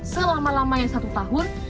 selama lamanya satu tahun